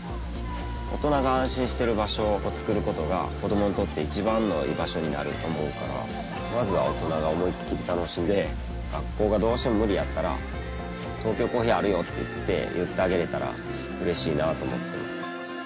大人が安心してる場所を作ることが子供にとって一番の居場所になると思うからまずは大人が思いっきり楽しんで学校がどうしても無理やったらトーキョーコーヒーあるよっていって言ってあげれたら嬉しいなあと思ってます